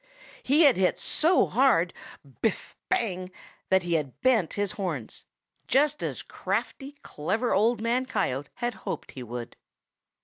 He had hit so hard, biff! bang! that he had bent his horns, just as crafty, clever Old Man Coyote had hoped he would.